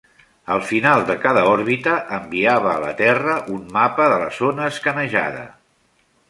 Al final de cada òrbita, enviava a la Terra un mapa de la zona escanejada.